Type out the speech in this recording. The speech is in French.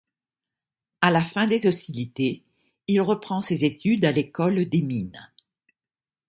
À la fin des hostilités, il reprend ses études à l’École des Mines.